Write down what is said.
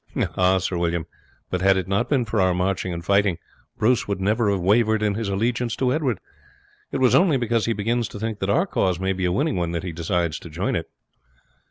"Ah! Sir William, but had it not been for our marching and fighting Bruce would never have wavered in his allegiance to Edward. It was only because he begins to think that our cause may be a winning one that he decides to join it."